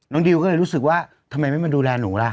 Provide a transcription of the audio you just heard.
ดิวก็เลยรู้สึกว่าทำไมไม่มาดูแลหนูล่ะ